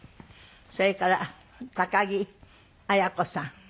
それから高木綾子さん。